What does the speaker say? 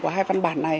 của hai văn bản này